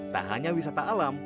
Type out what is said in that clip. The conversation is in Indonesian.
tak hanya wisata alam